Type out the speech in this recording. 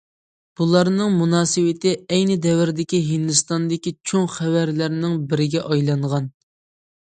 بۇلارنىڭ مۇناسىۋىتى ئەينى دەۋردىكى ھىندىستاندىكى چوڭ خەۋەرلەرنىڭ بىرىگە ئايلانغان.